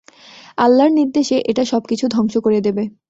আল্লাহর নির্দেশে এটা সবকিছু ধ্বংস করে দেবে।